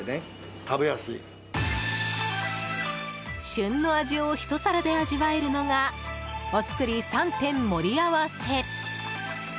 旬の味をひと皿で味わえるのがお造り３点盛り合わせ。